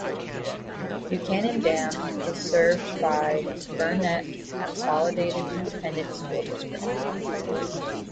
Buchanan Dam is served by the Burnet Consolidated Independent School District.